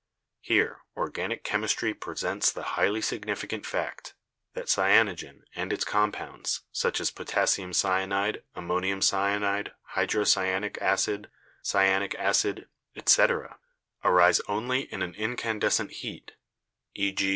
Here, organic chemistry presents the highly significant fact, that cyanogen and its compounds, such as potassium cyanide, ammonium cyanide, hydrocyanic acid, cyanic acid, etc., arise only in an incandescent heat — e.g.